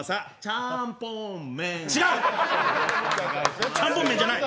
ちゃんぽん麺じゃない。